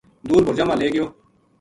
دُور بھُرجاں ما لے گیو